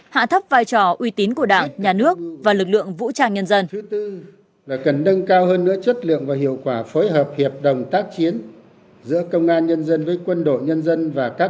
hạ thấp vai trò uy tín của đảng nhà nước và lực lượng vũ trang nhân dân